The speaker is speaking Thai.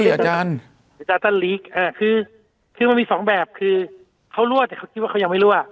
หรือจาตันลีกคือคือมันมีสองแบบคือเขารั่วแต่เขาคิดว่าเขายังไม่รั่ว